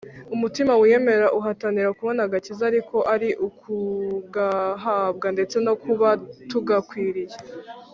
umutima wiyemera uhatanira kubona agakiza, ariko ari ukugahabwa ndetse no kuba tugakwiriye,